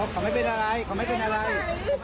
เขาไม่เป็นอะไรเขาไม่เป็นอะไร